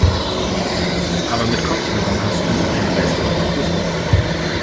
Aber mit Kopfhörern hast du eine bessere Akustik.